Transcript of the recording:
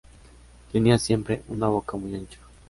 Tenía siempre una boca muy ancha.